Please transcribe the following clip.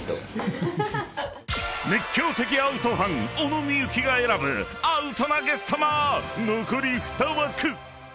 ［熱狂的『アウト』ファン小野みゆきが選ぶアウトなゲストも残り２枠］